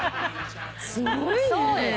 すごいね。